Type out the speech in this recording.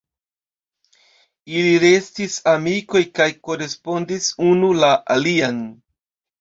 Ili restis amikoj kaj korespondis unu la alian.